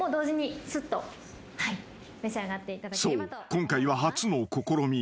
今回は初の試み。